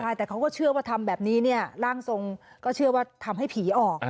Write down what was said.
ใช่แต่เขาก็เชื่อว่าทำแบบนี้เนี่ยร่างทรงก็เชื่อว่าทำให้ผีออก